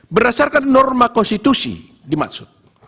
berdasarkan norma konstitusi dimaksud